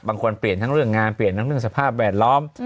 เปลี่ยนทั้งเรื่องงานเปลี่ยนทั้งเรื่องสภาพแวดล้อม